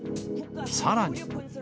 さらに。